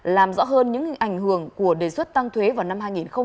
làm rõ hơn những ảnh hưởng của đề xuất tăng thuế vào năm hai nghìn một mươi chín